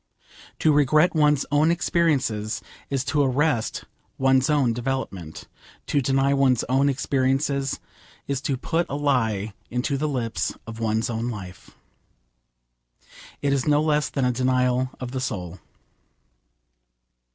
To regret one's own experiences is to arrest one's own development. To deny one's own experiences is to put a lie into the lips of one's own life. It is no less than a denial of the soul.